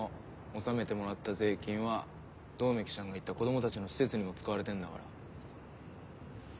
納めてもらった税金は百目鬼ちゃんが行った子供たちの施設にも使われてんだから。